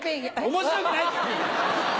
面白くないって。